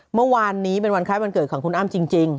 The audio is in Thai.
เมื่อวานนี้เป็นวันคล้ายวันเกิดของคุณอ้ำจริง